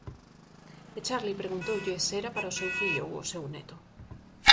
E Charli preguntoulle se era para o seu fillo ou o seu neto.